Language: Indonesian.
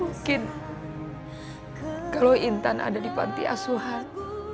mungkin kalau intan ada di pantiasuhan